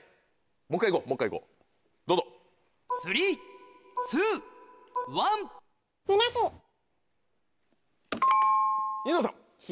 もう１回いこうもう１回いこうどうぞ。ピンポンニノさん。